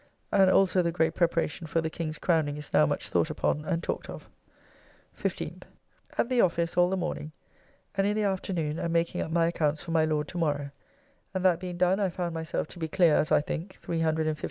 And also the great preparation for the King's crowning is now much thought upon and talked of. 15th. At the office all the morning, and in the afternoon at making up my accounts for my Lord to morrow; and that being done I found myself to be clear (as I think) L350 in the world, besides my goods in my house and all things paid for.